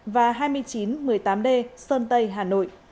và hai nghìn chín trăm linh tám d sơn tây hà nội